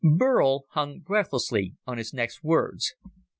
Burl hung breathlessly on his next words.